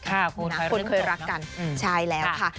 คนเคยรักกันใช่แล้วค่ะ